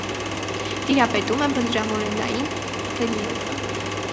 Տիրապետում է բլրամորենային ռելիեֆը։